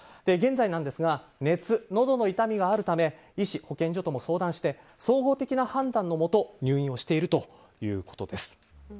現在ですが熱、のどの痛みがあるため医師、保健所とも相談して総合的な判断のもと入院をしているということです。